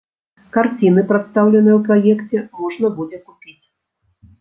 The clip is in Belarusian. Карціны, прадстаўленыя ў праекце можна будзе купіць.